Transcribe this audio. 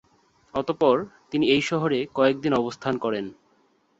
অত:পর তিনি এই শহরে কয়েকদিন অবস্থান করেন।